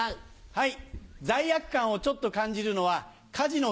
はい。